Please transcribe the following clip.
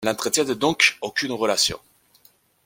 Elles n'entretiennent donc aucune relation.